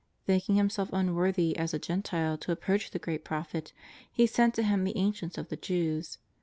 Thinking himself unworthy as a Gentile to ap proach the great Prophet, he sent to Him the ancients of the Jews.